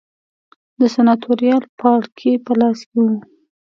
د سناتوریال پاړکي په لاس کې و